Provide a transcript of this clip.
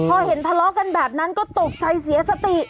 พอเห็นทะเลาะกันแบบนั้นก็ตกใจเสียสติ